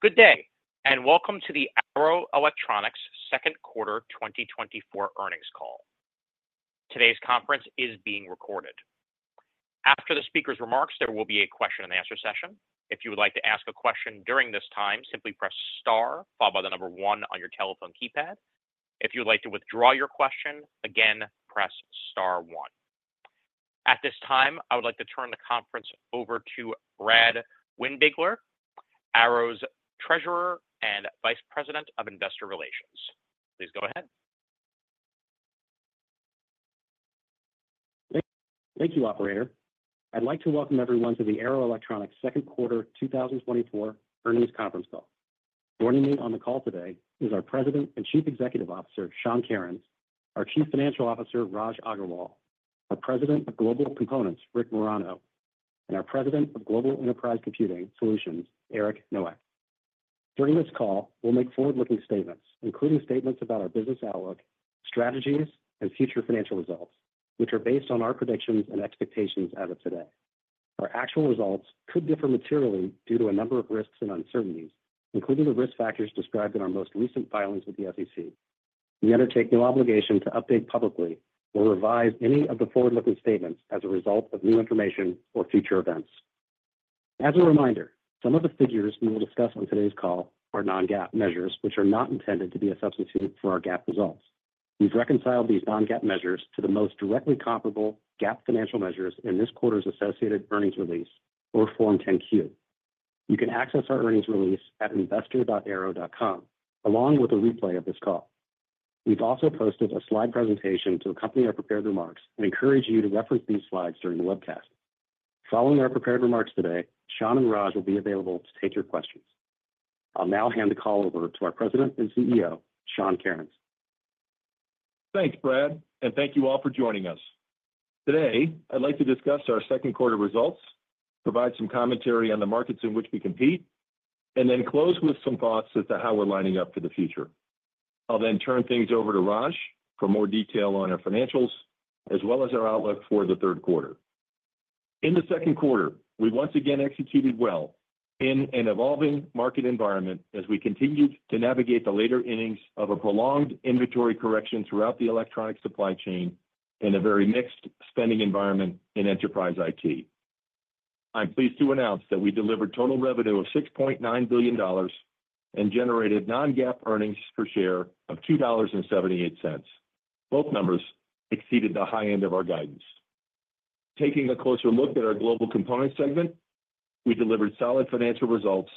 Good day, and welcome to the Arrow Electronics second quarter 2024 earnings call. Today's conference is being recorded. After the speaker's remarks, there will be a question-and-answer session. If you would like to ask a question during this time, simply press star followed by the number 1 on your telephone keypad. If you'd like to withdraw your question, again, press star one. At this time, I would like to turn the conference over to Brad Windbigler, Arrow's Treasurer and Vice President of Investor Relations. Please go ahead. Thank you, Operator. I'd like to welcome everyone to the Arrow Electronics second quarter 2024 earnings conference call. Joining me on the call today is our President and Chief Executive Officer, Sean Kerins, our Chief Financial Officer, Raj Agrawal, our President of Global Components, Rick Marano, and our President of Global Enterprise Computing Solutions, Eric Nowak. During this call, we'll make forward-looking statements, including statements about our business outlook, strategies, and future financial results, which are based on our predictions and expectations as of today. Our actual results could differ materially due to a number of risks and uncertainties, including the risk factors described in our most recent filings with the SEC. We undertake no obligation to update publicly or revise any of the forward-looking statements as a result of new information or future events. As a reminder, some of the figures we will discuss on today's call are non-GAAP measures, which are not intended to be a substitute for our GAAP results. We've reconciled these non-GAAP measures to the most directly comparable GAAP financial measures in this quarter's associated earnings release or Form 10-Q. You can access our earnings release at investor.arrow.com, along with a replay of this call. We've also posted a slide presentation to accompany our prepared remarks and encourage you to reference these slides during the webcast. Following our prepared remarks today, Sean and Raj will be available to take your questions. I'll now hand the call over to our President and CEO, Sean Kerins. Thanks, Brad, and thank you all for joining us. Today, I'd like to discuss our second quarter results, provide some commentary on the markets in which we compete, and then close with some thoughts as to how we're lining up for the future. I'll then turn things over to Raj for more detail on our financials, as well as our outlook for the third quarter. In the second quarter, we once again executed well in an evolving market environment as we continued to navigate the later innings of a prolonged inventory correction throughout the electronic supply chain in a very mixed spending environment in enterprise IT. I'm pleased to announce that we delivered total revenue of $6.9 billion and generated non-GAAP earnings per share of $2.78. Both numbers exceeded the high end of our guidance. Taking a closer look at our global components segment, we delivered solid financial results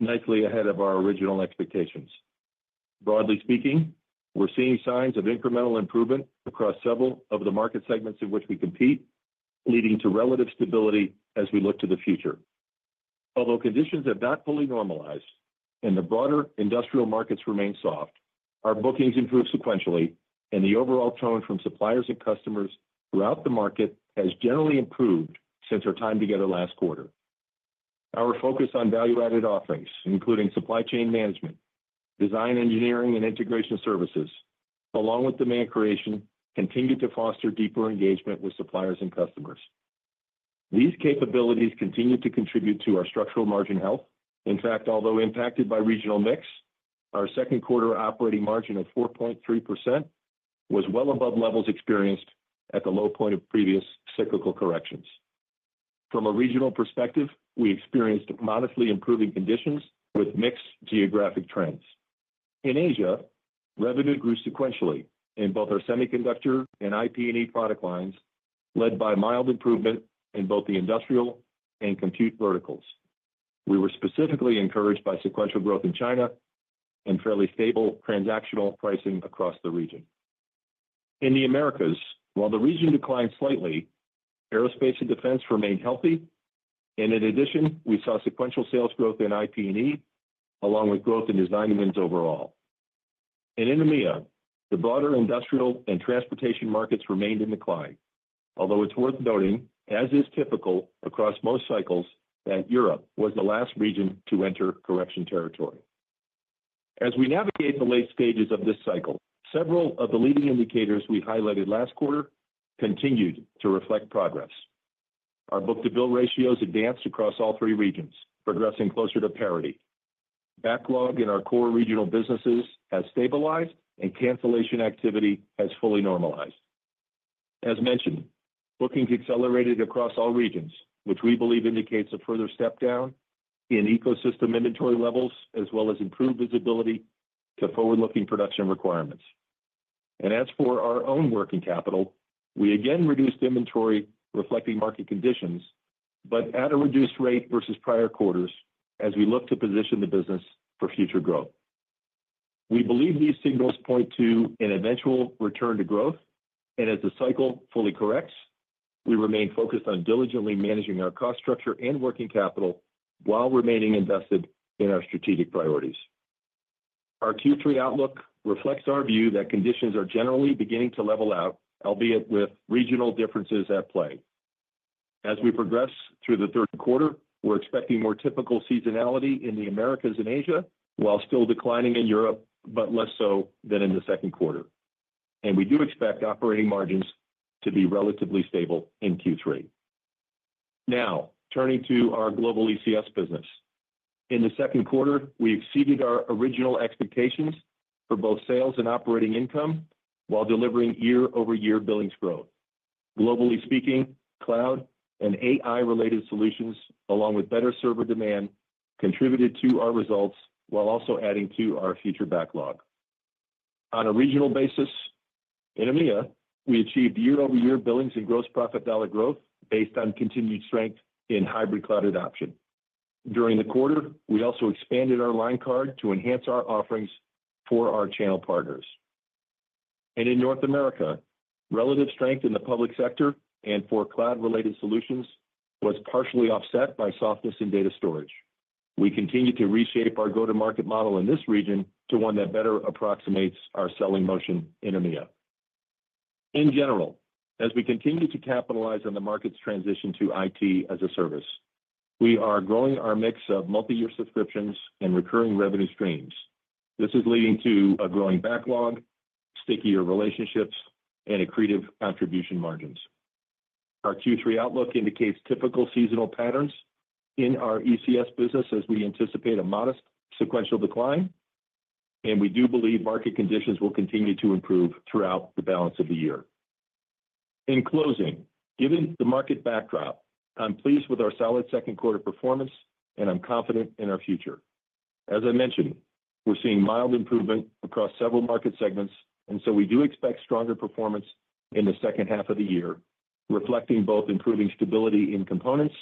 nicely ahead of our original expectations. Broadly speaking, we're seeing signs of incremental improvement across several of the market segments in which we compete, leading to relative stability as we look to the future. Although conditions have not fully normalized and the broader industrial markets remain soft, our bookings improved sequentially, and the overall tone from suppliers and customers throughout the market has generally improved since our time together last quarter. Our focus on value-added offerings, including supply chain management, design, engineering, and integration services, along with demand creation, continued to foster deeper engagement with suppliers and customers. These capabilities continued to contribute to our structural margin health. In fact, although impacted by regional mix, our second quarter operating margin of 4.3% was well above levels experienced at the low point of previous cyclical corrections. From a regional perspective, we experienced modestly improving conditions with mixed geographic trends. In Asia, revenue grew sequentially in both our semiconductor and IP&E product lines, led by mild improvement in both the industrial and compute verticals. We were specifically encouraged by sequential growth in China and fairly stable transactional pricing across the region. In the Americas, while the region declined slightly, aerospace and defense remained healthy, and in addition, we saw sequential sales growth in IP&E, along with growth in design wins overall. And in EMEA, the broader industrial and transportation markets remained in decline, although it's worth noting, as is typical across most cycles, that Europe was the last region to enter correction territory. As we navigate the late stages of this cycle, several of the leading indicators we highlighted last quarter continued to reflect progress. Our book-to-bill ratios advanced across all three regions, progressing closer to parity. Backlog in our core regional businesses has stabilized, and cancellation activity has fully normalized. As mentioned, bookings accelerated across all regions, which we believe indicates a further step down in ecosystem inventory levels, as well as improved visibility to forward-looking production requirements. As for our own working capital, we again reduced inventory, reflecting market conditions, but at a reduced rate versus prior quarters as we look to position the business for future growth. We believe these signals point to an eventual return to growth, and as the cycle fully corrects, we remain focused on diligently managing our cost structure and working capital while remaining invested in our strategic priorities. Our Q3 outlook reflects our view that conditions are generally beginning to level out, albeit with regional differences at play. As we progress through the third quarter, we're expecting more typical seasonality in the Americas and Asia, while still declining in Europe, but less so than in the second quarter. We do expect operating margins to be relatively stable in Q3. Now, turning to our global ECS business. In the second quarter, we exceeded our original expectations for both sales and operating income, while delivering year-over-year billings growth. Globally speaking, cloud and AI-related solutions, along with better server demand, contributed to our results while also adding to our future backlog. On a regional basis, in EMEA, we achieved year-over-year billings and gross profit dollar growth based on continued strength in hybrid cloud adoption. During the quarter, we also expanded our line card to enhance our offerings for our channel partners. In North America, relative strength in the public sector and for cloud-related solutions was partially offset by softness in data storage. We continue to reshape our go-to-market model in this region to one that better approximates our selling motion in EMEA. In general, as we continue to capitalize on the market's transition to IT as a service, we are growing our mix of multiyear subscriptions and recurring revenue streams. This is leading to a growing backlog, stickier relationships, and accretive contribution margins. Our Q3 outlook indicates typical seasonal patterns in our ECS business as we anticipate a modest sequential decline, and we do believe market conditions will continue to improve throughout the balance of the year. In closing, given the market backdrop, I'm pleased with our solid second quarter performance, and I'm confident in our future. As I mentioned, we're seeing mild improvement across several market segments, and so we do expect stronger performance in the second half of the year, reflecting both improving stability in components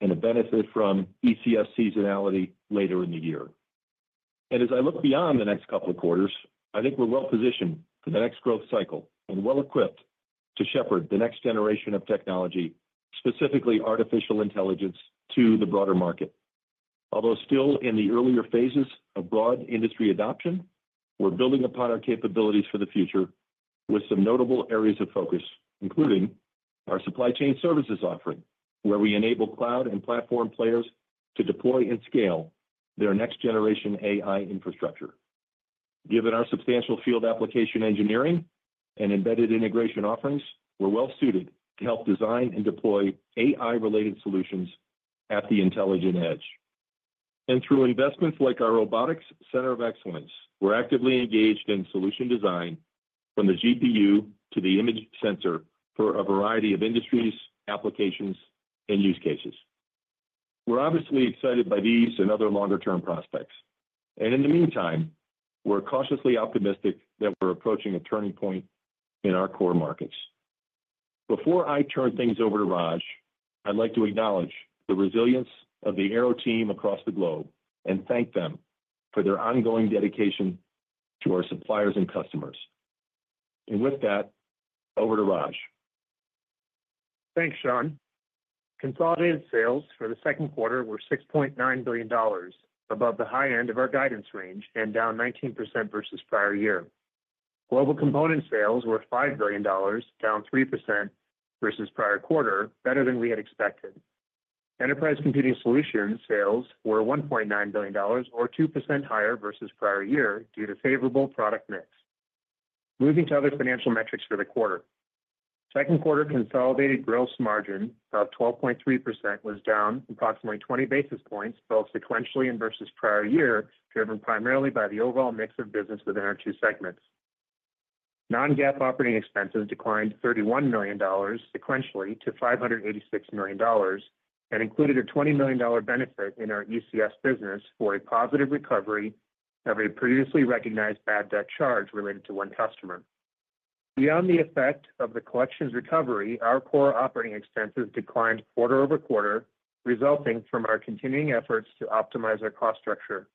and a benefit from ECS seasonality later in the year. As I look beyond the next couple of quarters, I think we're well positioned for the next growth cycle and well equipped to shepherd the next generation of technology, specifically artificial intelligence, to the broader market. Although still in the earlier phases of broad industry adoption, we're building upon our capabilities for the future with some notable areas of focus, including our supply chain services offering, where we enable cloud and platform players to deploy and scale their next generation AI infrastructure. Given our substantial field application engineering and embedded integration offerings, we're well suited to help design and deploy AI-related solutions at the intelligent edge. And through investments like our Robotics Center of Excellence, we're actively engaged in solution design from the GPU to the image center for a variety of industries, applications, and use cases. We're obviously excited by these and other longer-term prospects, and in the meantime, we're cautiously optimistic that we're approaching a turning point in our core markets. Before I turn things over to Raj, I'd like to acknowledge the resilience of the Arrow team across the globe and thank them for their ongoing dedication to our suppliers and customers. And with that, over to Raj. Thanks, Sean. Consolidated sales for the second quarter were $6.9 billion, above the high end of our guidance range and down 19% versus prior year. Global component sales were $5 billion, down 3% versus prior quarter, better than we had expected. Enterprise Computing Solutions sales were $1.9 billion, or 2% higher versus prior year, due to favorable product mix. Moving to other financial metrics for the quarter. Second quarter consolidated gross margin, about 12.3%, was down approximately 20 basis points, both sequentially and versus prior year, driven primarily by the overall mix of business within our two segments. Non-GAAP operating expenses declined $31 million sequentially to $586 million and included a $20 million benefit in our ECS business for a positive recovery of a previously recognized bad debt charge related to one customer. Beyond the effect of the collections recovery, our core operating expenses declined quarter-over-quarter, resulting from our continuing efforts to optimize our cost structure.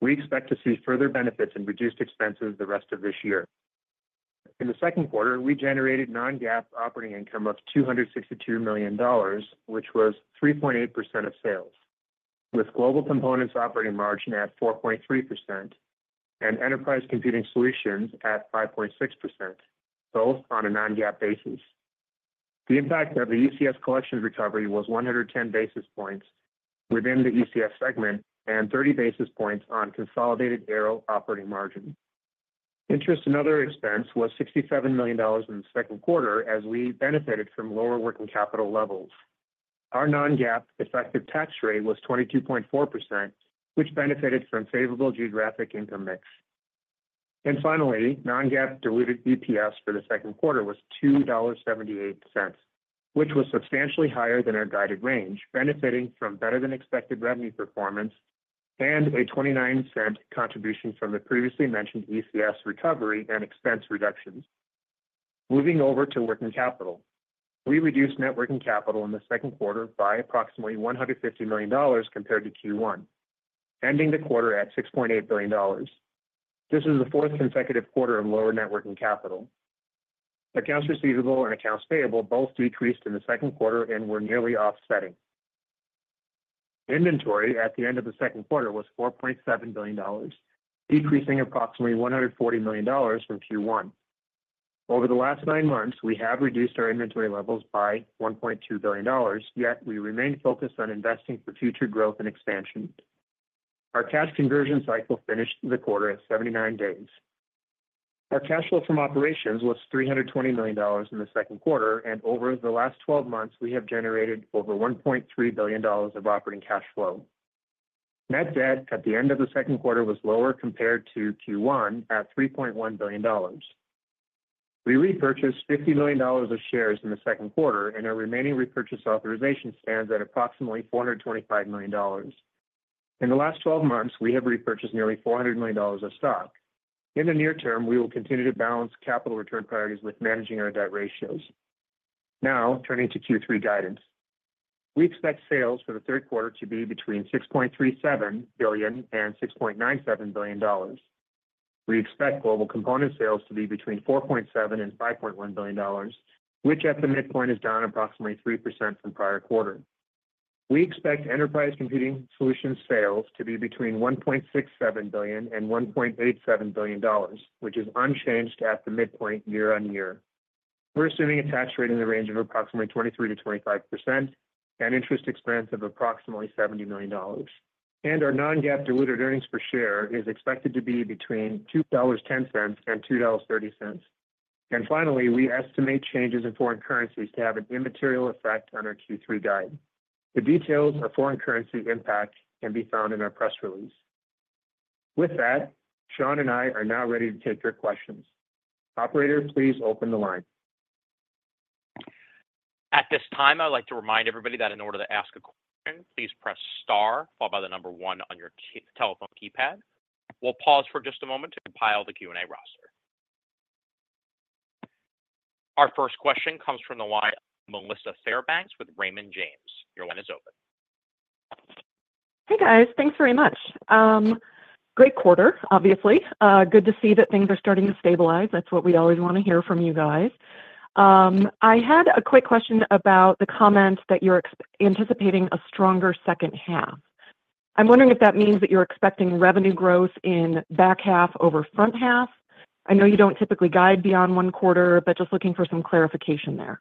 We expect to see further benefits and reduced expenses the rest of this year. In the second quarter, we generated non-GAAP operating income of $262 million, which was 3.8% of sales, with Global Components operating margin at 4.3% and Enterprise Computing Solutions at 5.6%, both on a non-GAAP basis. The impact of the ECS collections recovery was 110 basis points within the ECS segment and 30 basis points on consolidated Arrow operating margin. Interest and other expense was $67 million in the second quarter as we benefited from lower working capital levels. Our non-GAAP effective tax rate was 22.4%, which benefited from favorable geographic income mix. Finally, non-GAAP diluted EPS for the second quarter was $2.78, which was substantially higher than our guided range, benefiting from better-than-expected revenue performance and a 29-cent contribution from the previously mentioned ECS recovery and expense reductions. Moving over to working capital. We reduced net working capital in the second quarter by approximately $150 million compared to Q1, ending the quarter at $6.8 billion. This is the fourth consecutive quarter of lower net working capital. Accounts receivable and accounts payable both decreased in the second quarter and were nearly offsetting. Inventory at the end of the second quarter was $4.7 billion, decreasing approximately $140 million from Q1. Over the last 9 months, we have reduced our inventory levels by $1.2 billion, yet we remain focused on investing for future growth and expansion. Our cash conversion cycle finished the quarter at 79 days. Our cash flow from operations was $320 million in the second quarter, and over the last 12 months, we have generated over $1.3 billion of operating cash flow. Net debt at the end of the second quarter was lower compared to Q1 at $3.1 billion. We repurchased $50 million of shares in the second quarter, and our remaining repurchase authorization stands at approximately $425 million. In the last 12 months, we have repurchased nearly $400 million of stock. In the near term, we will continue to balance capital return priorities with managing our debt ratios. Now, turning to Q3 guidance. We expect sales for the third quarter to be between $6.37 billion and $6.97 billion. We expect global component sales to be between $4.7 billion and $5.1 billion, which at the midpoint is down approximately 3% from prior quarter. We expect enterprise computing solutions sales to be between $1.67 billion and $1.87 billion, which is unchanged at the midpoint year-on-year. We're assuming a tax rate in the range of approximately 23%-25% and interest expense of approximately $70 million. Our non-GAAP diluted earnings per share is expected to be between $2.10 and $2.30. Finally, we estimate changes in foreign currencies to have an immaterial effect on our Q3 guide. The details of foreign currency impact can be found in our press release. With that, Sean and I are now ready to take your questions. Operator, please open the line. At this time, I'd like to remind everybody that in order to ask a question, please press star followed by the number one on your telephone keypad. We'll pause for just a moment to compile the Q&A roster. Our first question comes from the line of Melissa Fairbanks with Raymond James. Your line is open. Hey, guys. Thanks very much. Great quarter, obviously. Good to see that things are starting to stabilize. That's what we always want to hear from you guys. I had a quick question about the comment that you're anticipating a stronger second half. I'm wondering if that means that you're expecting revenue growth in back half over front half? I know you don't typically guide beyond one quarter, but just looking for some clarification there.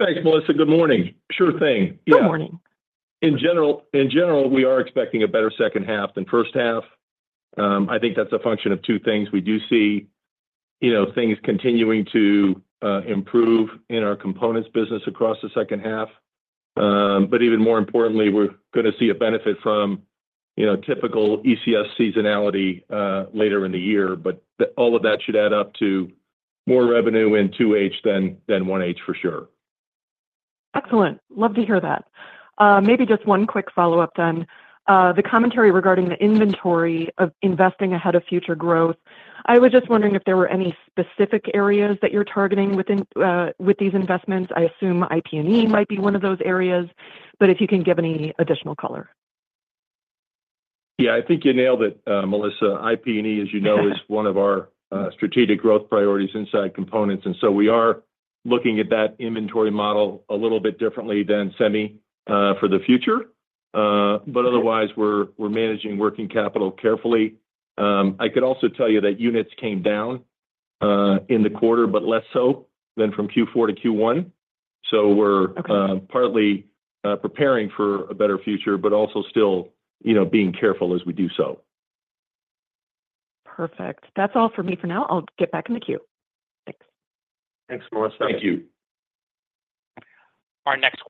Thanks, Melissa. Good morning. Sure thing. Good morning. Yeah. In general, in general, we are expecting a better second half than first half. I think that's a function of two things. We do see, you know, things continuing to improve in our components business across the second half. But even more importantly, we're gonna see a benefit from, you know, typical ECS seasonality later in the year. But all of that should add up to more revenue in 2H than 1H, for sure. Excellent. Love to hear that. Maybe just one quick follow-up then. The commentary regarding the inventory of investing ahead of future growth, I was just wondering if there were any specific areas that you're targeting within, with these investments. I assume IP&E might be one of those areas, but if you can give any additional color? Yeah, I think you nailed it, Melissa. IP&E, as you know, is one of our strategic growth priorities inside components, and so we are looking at that inventory model a little bit differently than semi for the future. But otherwise, we're managing working capital carefully. I could also tell you that units came down in the quarter, but less so than from Q4 to Q1. Okay. We're partly preparing for a better future, but also still, you know, being careful as we do so. Perfect. That's all for me for now. I'll get back in the queue. Thanks. Thanks, Melissa. Thank you. Our next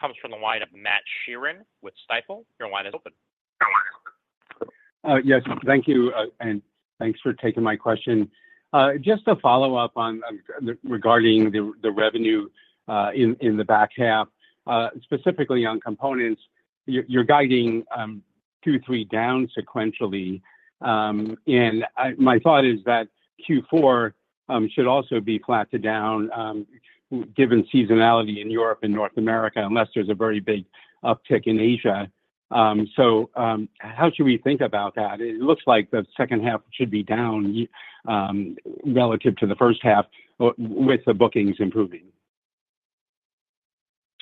comes from the line of Matt Sheerin with Stifel. Your line is open. Yes, thank you, and thanks for taking my question. Just to follow up regarding the revenue in the back half, specifically on components, you're guiding Q3 down sequentially. And my thought is that Q4 should also be flat to down, given seasonality in Europe and North America, unless there's a very big uptick in Asia. So, how should we think about that? It looks like the second half should be down relative to the first half, with the bookings improving.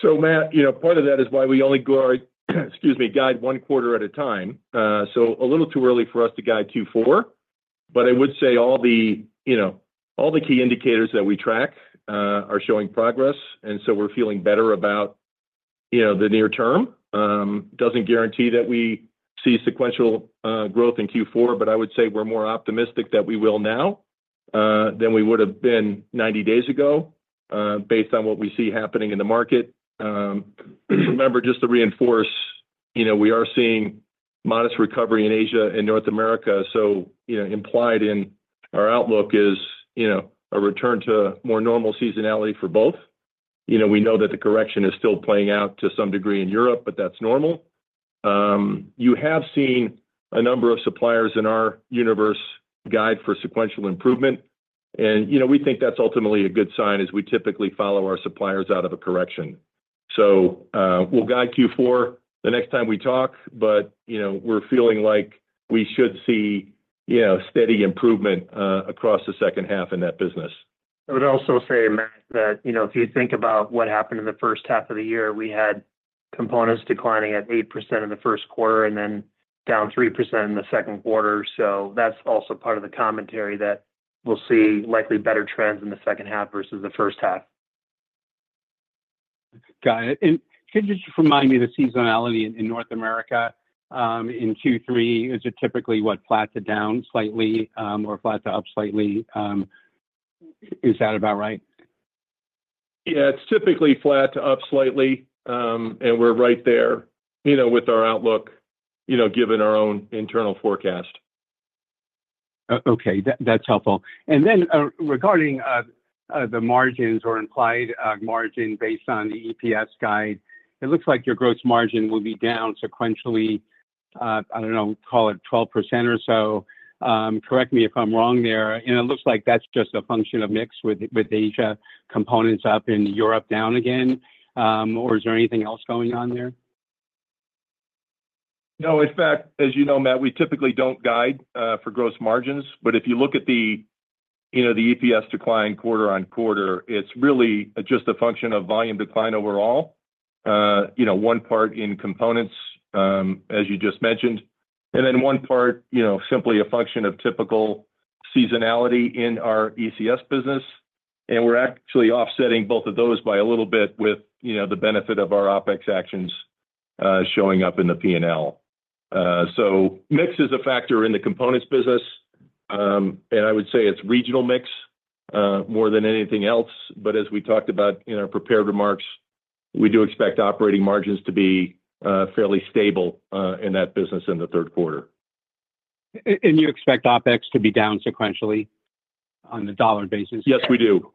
So Matt, you know, part of that is why we only go, excuse me, guide one quarter at a time. So a little too early for us to guide Q4, but I would say all the, you know, all the key indicators that we track, are showing progress, and so we're feeling better about, you know, the near term. Doesn't guarantee that we see sequential, growth in Q4, but I would say we're more optimistic that we will now, than we would have been 90 days ago, based on what we see happening in the market. Remember, just to reinforce, you know, we are seeing modest recovery in Asia and North America. So, you know, implied in our outlook is, you know, a return to more normal seasonality for both. You know, we know that the correction is still playing out to some degree in Europe, but that's normal. You have seen a number of suppliers in our universe guide for sequential improvement, and, you know, we think that's ultimately a good sign, as we typically follow our suppliers out of a correction. So, we'll guide Q4 the next time we talk, but, you know, we're feeling like we should see, you know, steady improvement across the second half in that business. I would also say, Matt, that, you know, if you think about what happened in the first half of the year, we had components declining at 8% in the first quarter and then down 3% in the second quarter. So that's also part of the commentary that we'll see likely better trends in the second half versus the first half. Got it. And could you just remind me the seasonality in North America, in Q3? Is it typically what, flat to down slightly, or flat to up slightly? Is that about right? Yeah, it's typically flat to up slightly. We're right there, you know, with our outlook, you know, given our own internal forecast. Okay, that's helpful. And then, regarding the margins or implied margin based on the EPS guide, it looks like your gross margin will be down sequentially. I don't know, call it 12% or so. Correct me if I'm wrong there. And it looks like that's just a function of mix with Asia components up and Europe down again, or is there anything else going on there? No, in fact, as you know, Matt, we typically don't guide for gross margins. But if you look at the, you know, the EPS decline quarter-over-quarter, it's really just a function of volume decline overall. You know, one part in components, as you just mentioned, and then one part, you know, simply a function of typical seasonality in our ECS business. And we're actually offsetting both of those by a little bit with, you know, the benefit of our OpEx actions, showing up in the P&L. So mix is a factor in the components business, and I would say it's regional mix, more than anything else, but as we talked about in our prepared remarks, we do expect operating margins to be fairly stable, in that business in the third quarter. And you expect OpEx to be down sequentially on a dollar basis? Yes, we do.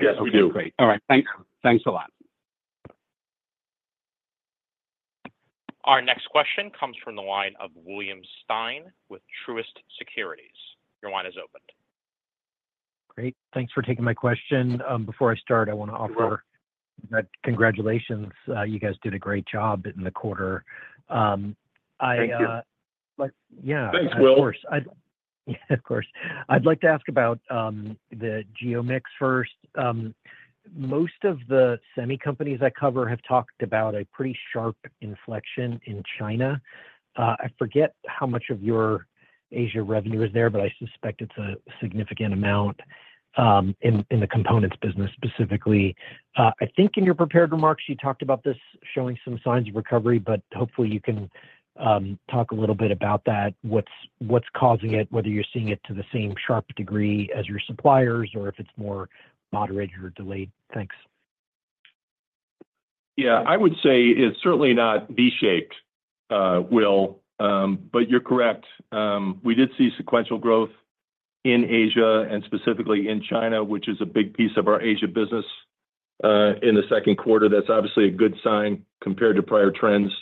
Yes, we do. Okay, great. All right, thanks. Thanks a lot. Our next question comes from the line of William Stein with Truist Securities. Your line is open. Great. Thanks for taking my question. Before I start, I want to offer- You're welcome. Congratulations. You guys did a great job in the quarter. I Thank you. Yeah. Thanks, Will. Of course. I'd like to ask about the geo mix first. Most of the semi companies I cover have talked about a pretty sharp inflection in China. I forget how much of your Asia revenue is there, but I suspect it's a significant amount in the components business specifically. I think in your prepared remarks, you talked about this showing some signs of recovery, but hopefully you can talk a little bit about that, what's causing it, whether you're seeing it to the same sharp degree as your suppliers, or if it's more moderate or delayed. Thanks. Yeah, I would say it's certainly not V-shaped, Will, but you're correct. We did see sequential growth in Asia and specifically in China, which is a big piece of our Asia business, in the second quarter. That's obviously a good sign compared to prior trends.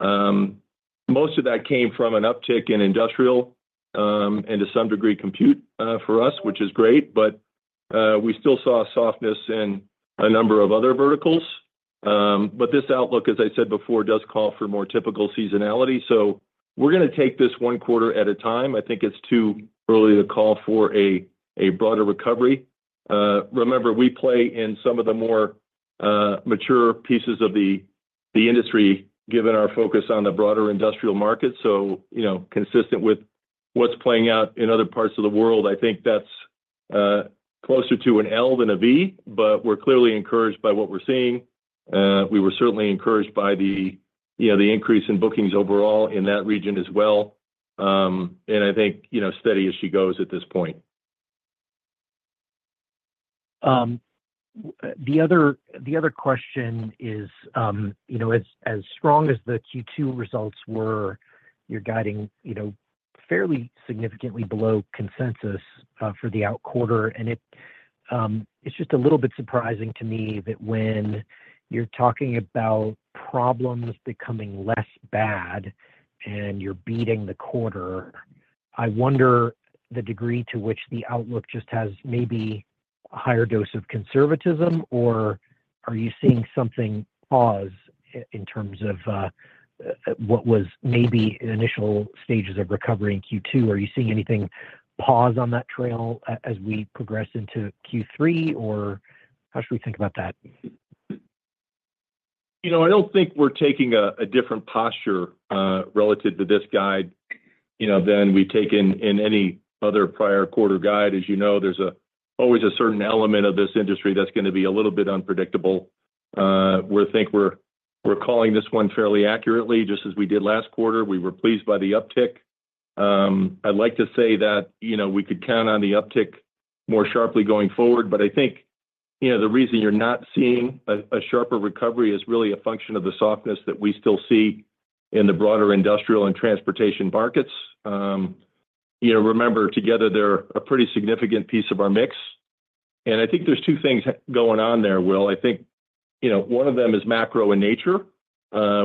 Most of that came from an uptick in industrial, and to some degree, compute, for us, which is great, but we still saw a softness in a number of other verticals. But this outlook, as I said before, does call for more typical seasonality, so we're gonna take this one quarter at a time. I think it's too early to call for a broader recovery. Remember, we play in some of the more mature pieces of the industry, given our focus on the broader industrial market. So, you know, consistent with what's playing out in other parts of the world, I think that's closer to an L than a V, but we're clearly encouraged by what we're seeing. We were certainly encouraged by the, you know, the increase in bookings overall in that region as well. And I think, you know, steady as she goes at this point. The other question is, you know, as strong as the Q2 results were, you're guiding, you know, fairly significantly below consensus for the out quarter. And it, it's just a little bit surprising to me that when you're talking about problems becoming less bad and you're beating the quarter, I wonder the degree to which the outlook just has maybe a higher dose of conservatism, or are you seeing something pause in terms of what was maybe initial stages of recovery in Q2? Are you seeing anything pause on that trail as we progress into Q3, or how should we think about that? You know, I don't think we're taking a different posture relative to this guide, you know, than we take in any other prior quarter guide. As you know, there's always a certain element of this industry that's gonna be a little bit unpredictable. We think we're calling this one fairly accurately, just as we did last quarter. We were pleased by the uptick. I'd like to say that, you know, we could count on the uptick more sharply going forward, but I think, you know, the reason you're not seeing a sharper recovery is really a function of the softness that we still see in the broader industrial and transportation markets. You know, remember, together, they're a pretty significant piece of our mix. And I think there's two things going on there, Will. I think, you know, one of them is macro in nature,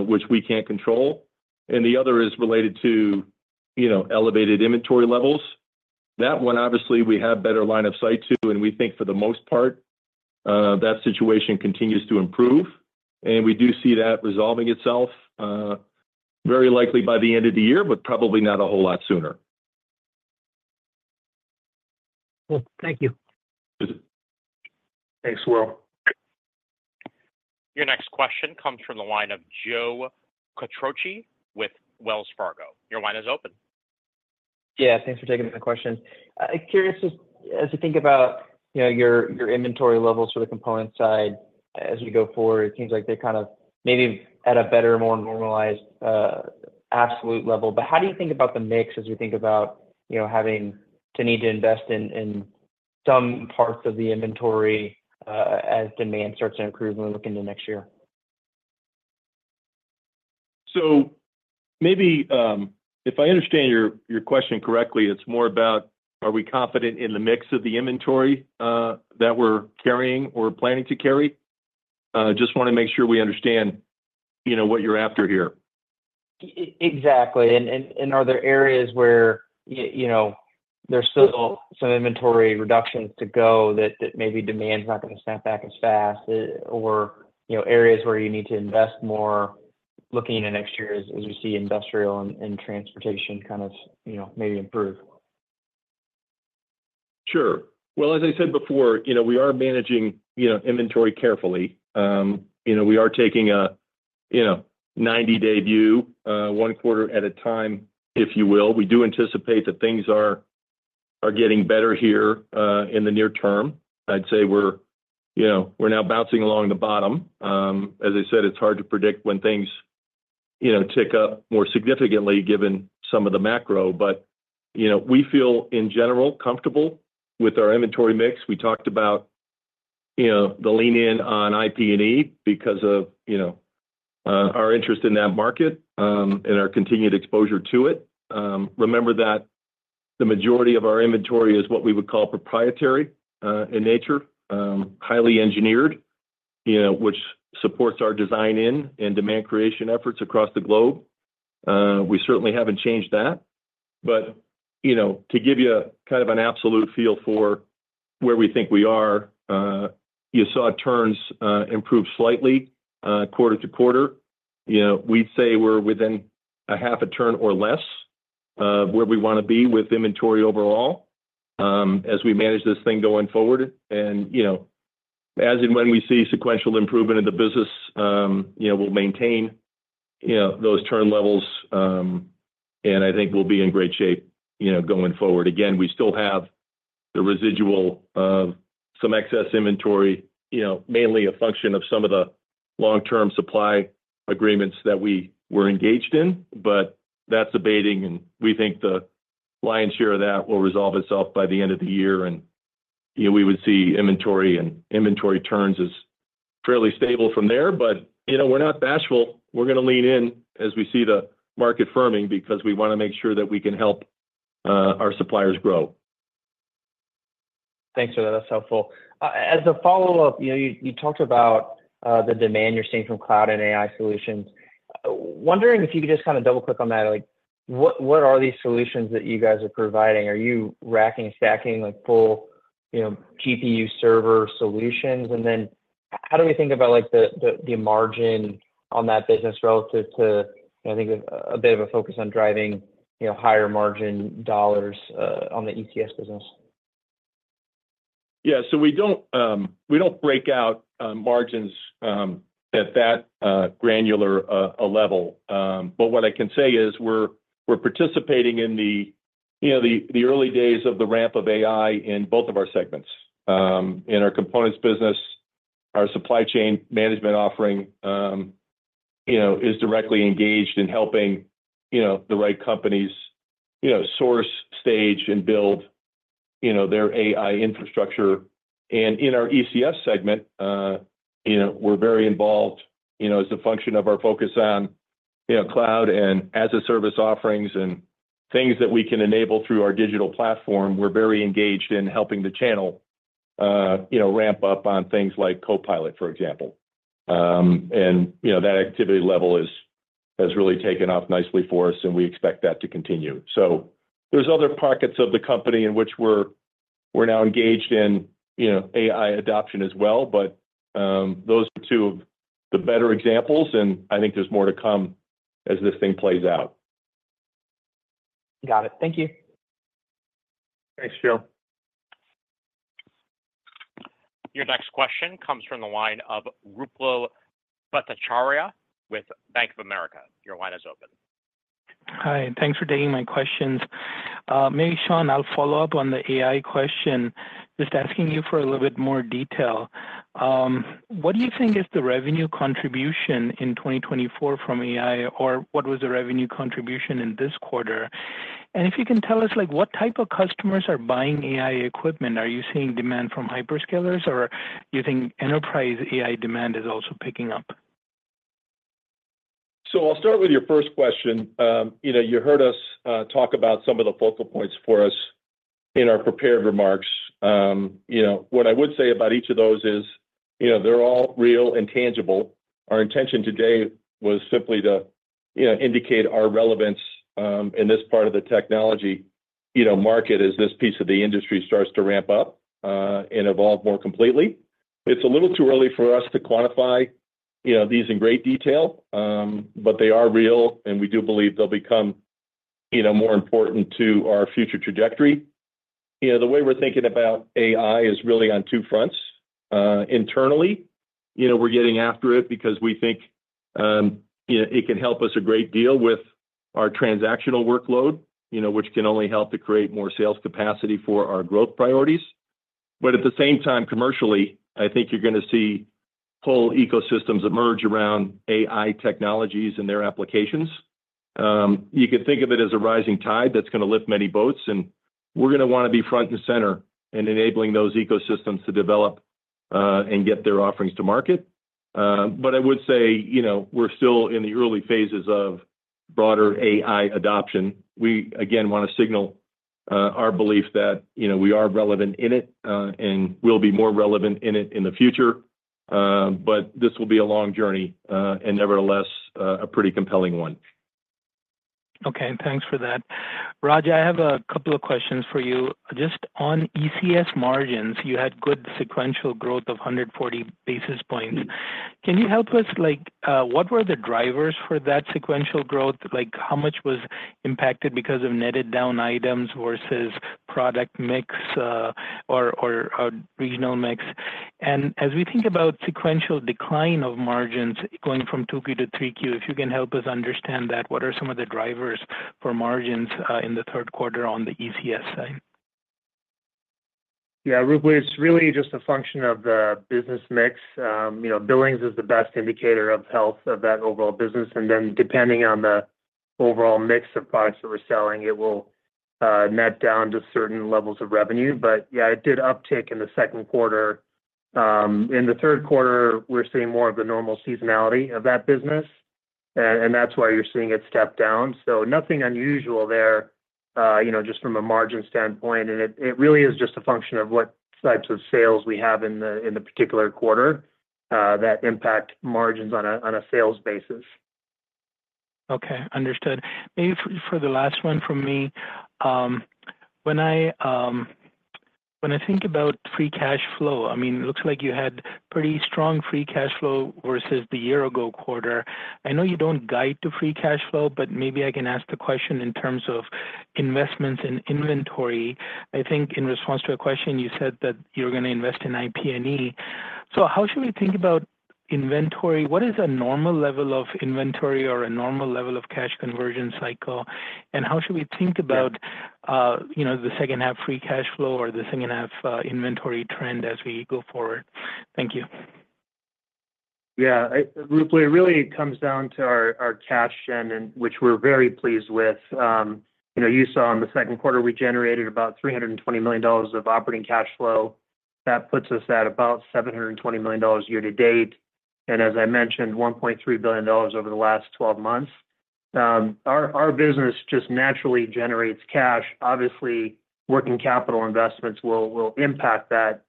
which we can't control, and the other is related to, you know, elevated inventory levels. That one, obviously, we have better line of sight to, and we think for the most part, that situation continues to improve, and we do see that resolving itself, very likely by the end of the year, but probably not a whole lot sooner. Cool. Thank you. Mm-hmm. Thanks, Will.... Your next question comes from the line of Joe Quattrocchi with Wells Fargo. Your line is open. Yeah, thanks for taking my question. I'm curious as, as you think about, you know, your, your inventory levels for the component side as we go forward, it seems like they kind of maybe at a better, more normalized, absolute level. But how do you think about the mix as you think about, you know, having to need to invest in, in some parts of the inventory, as demand starts to improve when we look into next year? Maybe if I understand your question correctly, it's more about are we confident in the mix of the inventory that we're carrying or planning to carry? Just wanna make sure we understand, you know, what you're after here. Exactly. And are there areas where you know, there's still some inventory reductions to go that maybe demand's not gonna snap back as fast, or, you know, areas where you need to invest more, looking into next year as we see industrial and transportation kind of, you know, maybe improve? Sure. Well, as I said before, you know, we are managing, you know, inventory carefully. You know, we are taking a, you know, 90-day view, one quarter at a time, if you will. We do anticipate that things are getting better here, in the near term. I'd say we're, you know, we're now bouncing along the bottom. As I said, it's hard to predict when things, you know, tick up more significantly given some of the macro. But, you know, we feel, in general, comfortable with our inventory mix. We talked about, you know, the lean in on IP&E because of, you know, our interest in that market, and our continued exposure to it. Remember that the majority of our inventory is what we would call proprietary in nature, highly engineered, you know, which supports our design in and demand creation efforts across the globe. We certainly haven't changed that. But, you know, to give you kind of an absolute feel for where we think we are, you saw turns improve slightly, quarter to quarter. You know, we'd say we're within a half a turn or less, where we wanna be with inventory overall, as we manage this thing going forward. And, you know, as and when we see sequential improvement in the business, you know, we'll maintain, you know, those turn levels, and I think we'll be in great shape, you know, going forward. Again, we still have the residual of some excess inventory, you know, mainly a function of some of the long-term supply agreements that we were engaged in, but that's abating, and we think the lion's share of that will resolve itself by the end of the year. And, you know, we would see inventory and inventory turns as fairly stable from there. But, you know, we're not bashful. We're gonna lean in as we see the market firming because we wanna make sure that we can help our suppliers grow. Thanks for that. That's helpful. As a follow-up, you know, you talked about the demand you're seeing from cloud and AI solutions. Wondering if you could just kind of double-click on that? Like, what are these solutions that you guys are providing? Are you racking and stacking, like, full, you know, GPU server solutions? And then how do we think about, like, the margin on that business relative to, I think, a bit of a focus on driving, you know, higher margin dollars on the ECS business? Yeah. So we don't, we don't break out margins at that granular level. But what I can say is we're, we're participating in the you know, the, the early days of the ramp of AI in both of our segments. In our components business, our supply chain management offering, you know, is directly engaged in helping, you know, the right companies, you know, source, stage, and build, you know, their AI infrastructure. And in our ECS segment, you know, we're very involved, you know, as a function of our focus on, you know, cloud and as-a-service offerings and things that we can enable through our digital platform. We're very engaged in helping the channel, you know, ramp up on things like Copilot, for example. And, you know, that activity level has really taken off nicely for us, and we expect that to continue. So there's other pockets of the company in which we're now engaged in, you know, AI adoption as well, but those are two of the better examples, and I think there's more to come as this thing plays out. Got it. Thank you. Thanks, Joe. Your next question comes from the line of Ruplu Bhattacharya with Bank of America. Your line is open. Hi, thanks for taking my questions. Maybe, Sean, I'll follow up on the AI question, just asking you for a little bit more detail. What do you think is the revenue contribution in 2024 from AI, or what was the revenue contribution in this quarter? And if you can tell us, like, what type of customers are buying AI equipment? Are you seeing demand from hyperscalers, or do you think enterprise AI demand is also picking up? So I'll start with your first question. You know, you heard us talk about some of the focal points for us in our prepared remarks. You know, what I would say about each of those is, you know, they're all real and tangible. Our intention today was simply to, you know, indicate our relevance in this part of the technology, you know, market as this piece of the industry starts to ramp up and evolve more completely. It's a little too early for us to quantify, you know, these in great detail, but they are real, and we do believe they'll become, you know, more important to our future trajectory. You know, the way we're thinking about AI is really on two fronts. Internally, you know, we're getting after it because we think, you know, it can help us a great deal with our transactional workload, you know, which can only help to create more sales capacity for our growth priorities. But at the same time, commercially, I think you're gonna see whole ecosystems emerge around AI technologies and their applications. You could think of it as a rising tide that's gonna lift many boats, and we're gonna wanna be front and center in enabling those ecosystems to develop, and get their offerings to market. But I would say, you know, we're still in the early phases of broader AI adoption. We, again, wanna signal our belief that, you know, we are relevant in it, and will be more relevant in it in the future. But this will be a long journey, and nevertheless, a pretty compelling one. Okay, thanks for that. Raj, I have a couple of questions for you. Just on ECS margins, you had good sequential growth of 140 basis points. Can you help us, like, what were the drivers for that sequential growth? Like, how much was impacted because of netted down items versus product mix, or regional mix? And as we think about sequential decline of margins going from 2Q to 3Q, if you can help us understand that, what are some of the drivers for margins in the third quarter on the ECS side? Yeah, Ruplu, it's really just a function of the business mix. You know, billings is the best indicator of health of that overall business, and then depending on the overall mix of products that we're selling, it will net down to certain levels of revenue. But yeah, it did uptick in the second quarter. In the third quarter, we're seeing more of the normal seasonality of that business, and that's why you're seeing it step down. So nothing unusual there, you know, just from a margin standpoint. And it really is just a function of what types of sales we have in the particular quarter that impact margins on a sales basis. Okay, understood. Maybe for the last one from me, when I think about free cash flow, I mean, it looks like you had pretty strong free cash flow versus the year ago quarter. I know you don't guide to free cash flow, but maybe I can ask the question in terms of investments in inventory. I think in response to a question, you said that you're gonna invest in IP&E. So how should we think about inventory? What is a normal level of inventory or a normal level of cash conversion cycle? And how should we think about, you know, the second half free cash flow or the second half inventory trend as we go forward? Thank you. Yeah. Ruplu, it really comes down to our cash gen, and which we're very pleased with. You know, you saw in the second quarter, we generated about $320 million of operating cash flow. That puts us at about $720 million year to date, and as I mentioned, $1.3 billion over the last twelve months. Our business just naturally generates cash. Obviously, working capital investments will impact that.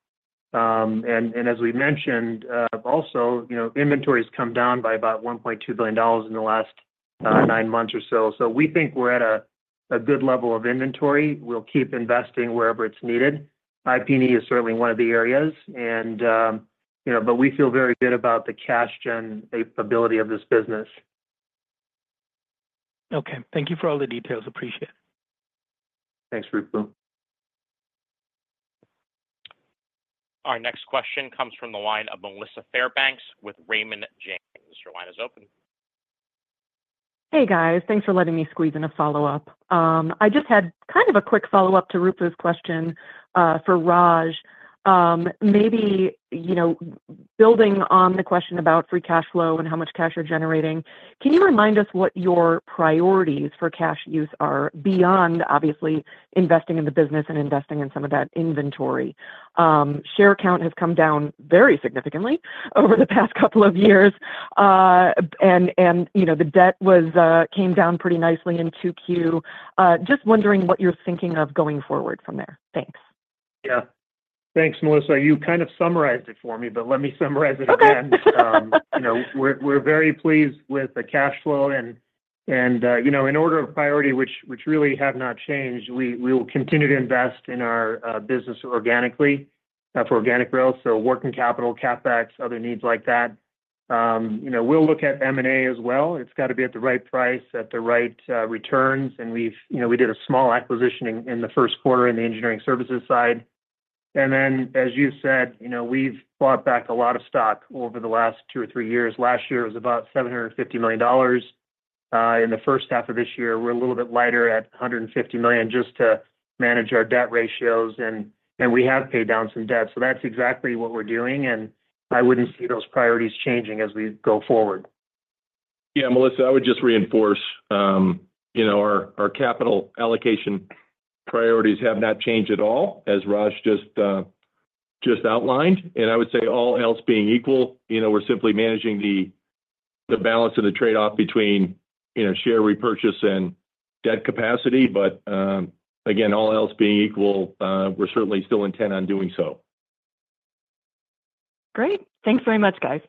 And as we mentioned, also, you know, inventory's come down by about $1.2 billion in the last nine months or so. So we think we're at a good level of inventory. We'll keep investing wherever it's needed. IP&E is certainly one of the areas, and, you know, but we feel very good about the cash gen ability of this business. Okay. Thank you for all the details. Appreciate it. Thanks, Ruple. Our next question comes from the line of Melissa Fairbanks with Raymond James. Your line is open. Hey, guys. Thanks for letting me squeeze in a follow-up. I just had kind of a quick follow-up to Ruple's question, for Raj. Maybe, you know, building on the question about free cash flow and how much cash you're generating, can you remind us what your priorities for cash use are, beyond, obviously, investing in the business and investing in some of that inventory? Share count has come down very significantly over the past couple of years, and, you know, the debt came down pretty nicely in 2Q. Just wondering what you're thinking of going forward from there. Thanks. Yeah. Thanks, Melissa. You kind of summarized it for me, but let me summarize it again. Okay. You know, we're very pleased with the cash flow, and you know, in order of priority, which really have not changed, we will continue to invest in our business organically for organic growth, so working capital, CapEx, other needs like that. You know, we'll look at M&A as well. It's got to be at the right price, at the right returns, and we've, you know, we did a small acquisition in the first quarter in the engineering services side. And then, as you said, you know, we've bought back a lot of stock over the last two or three years. Last year, it was about $750 million. In the first half of this year, we're a little bit lighter at $150 million, just to manage our debt ratios, and we have paid down some debt. So that's exactly what we're doing, and I wouldn't see those priorities changing as we go forward. Yeah, Melissa, I would just reinforce, you know, our capital allocation priorities have not changed at all, as Raj just outlined. And I would say, all else being equal, you know, we're simply managing the balance of the trade-off between, you know, share repurchase and debt capacity. But, again, all else being equal, we're certainly still intent on doing so. Great. Thanks very much, guys.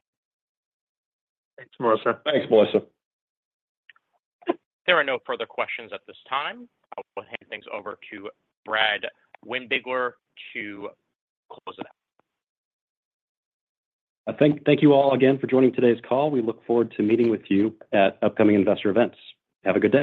Thanks, Melissa. Thanks, Melissa. There are no further questions at this time. I will hand things over to Brad Windbigler to close it out. Thank you all again for joining today's call. We look forward to meeting with you at upcoming investor events. Have a good day.